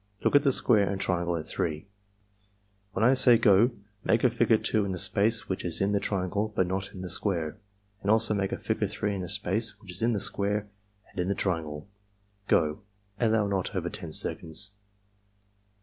Look at the square and triangle at 3. When I say 'go' make a figure 2 in the space which is in the triangle but not in the square, and also make a figure 3 in the space which is in the square and in the triangle. — Go!" (Allow not over 10 seconds.)